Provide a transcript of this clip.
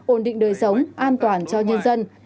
ổn định đời sống an toàn cho nhân dân